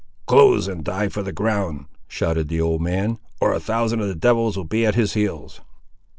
"Close, and die for the ground," shouted the old man, "or a thousand of the devils will be at his heels!"